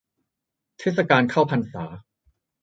เทศกาลเข้าพรรษา